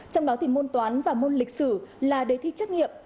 trong đó thì môn toán và môn lịch sử là đề thi trắc nghiệm